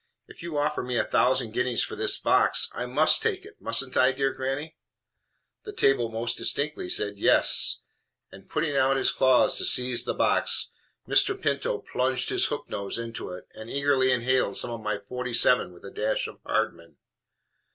"If you offer me a thousand guineas for this box I MUST take it. Mustn't I, dear gr nny?" The table most distinctly said "Yes"; and putting out his claws to seize the box, Mr. Pinto plunged his hooked nose into it, and eagerly inhaled some of my 47 with a dash of Hardman.